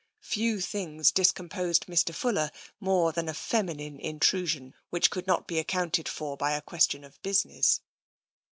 Few things discomposed Mr. Fuller more than a feminine intrusion which could not be accounted for by a question of business.